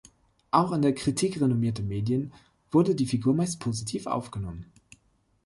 Auch in der Kritik renommierter Medien wurde die Figur meist positiv aufgenommen.